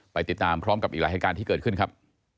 ไปติดตามพร้อมกับอีกหลายเหตุการณ์ที่เกิดขึ้นครับ